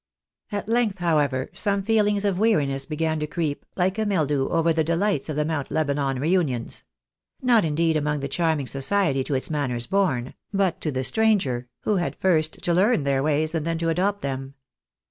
At length, however, some feelings of weariness began to creep, like a mildew, over the delights of the Mount Lebanon reunions ; not indeed among the charming society to its manners born, but to the stranger, who had first to learn their ways and then to adopt them.